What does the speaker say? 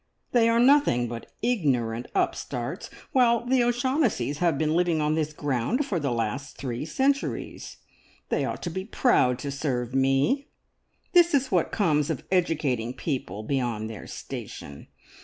"They are nothing but ignorant upstarts, while the O'Shaughnessys have been living on this ground for the last three centuries. They ought to be proud to serve me! This is what comes of educating people beyond their station.